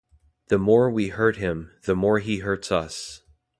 The more we hurt him, the more he hurts us.